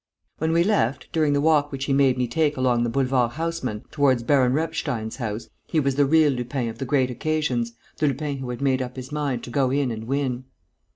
When we left, during the walk which he made me take along the Boulevard Haussmann, towards Baron Repstein's house, he was the real Lupin of the great occasions, the Lupin who had made up his mind to go in and win.